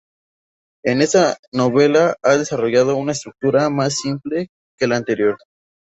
En esta novela ha desarrollado una estructura más simple que la anterior.